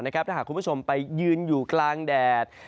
ถ้าหากคุณผู้ชมไปยืนอยู่กลางแดด